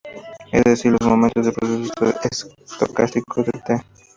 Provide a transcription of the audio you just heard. Es decir, los momentos del proceso estocástico de "t".